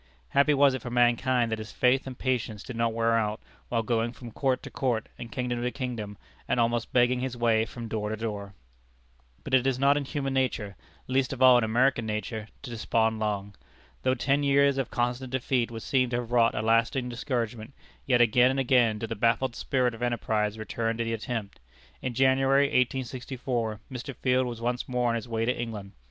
Happy was it for mankind that his faith and patience did not wear out, while going from court to court, and kingdom to kingdom, and almost begging his way from door to door! But it is not in human nature least of all in American nature to despond long. Though ten years of constant defeat would seem to have wrought a lasting discouragement, yet again and again did the baffled spirit of enterprise return to the attempt. In January, 1864, Mr. Field was once more on his way to England.